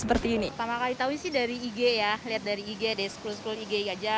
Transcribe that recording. pertama kali tau sih dari ig ya lihat dari ig dari skul skul ig aja